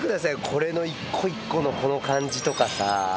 これの一個一個のこの感じとか。